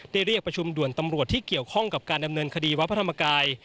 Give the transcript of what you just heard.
เรียกประชุมด่วนตำรวจที่เกี่ยวข้องกับการดำเนินคดีวัดพระธรรมกาย